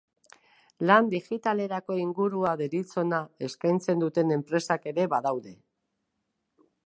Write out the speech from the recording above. Lan digitalerako ingurua deritzona eskaintzen duten enpresak ere badaude.